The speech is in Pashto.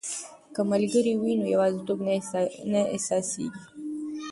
که ملګري وي نو یوازیتوب نه احساسیږي.